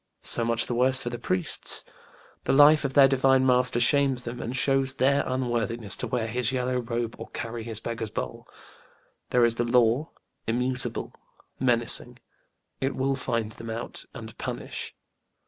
So much the worse for the priests: the life of their Divine Master shames them and shows their unworthiness to wear his yellow robe or carry his beggar's bowl. There is the Law immutable menacing; it will find them out and punish.